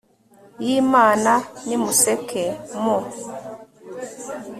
y'imana nimuseke, mu